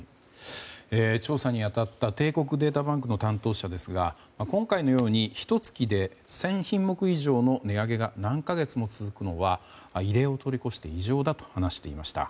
調査に当たった帝国データバンクの担当者ですが今回のように、ひと月で１０００品目以上の値上げが何か月も続くのは異例を通り越して異常だと話していました。